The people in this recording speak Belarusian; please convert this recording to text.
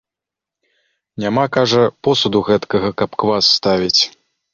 Няма, кажа, посуду гэткага, каб квас ставіць.